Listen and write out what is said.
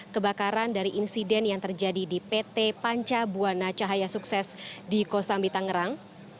kebakaran dari insiden yang terjadi di pt panca buana cahaya sukses di kosambi tangerang